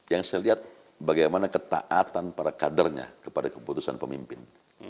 yang saya lihat bagaimana ketaatan para kadernya kepada keputusan pemimpin